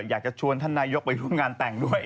อยากจะชวนท่านนายกไปร่วมงานแต่งด้วย